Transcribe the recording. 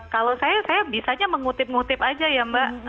kalau saya saya bisanya mengutip ngutip aja ya mbak